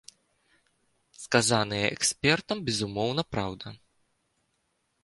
Сказанае экспертам, безумоўна, праўда.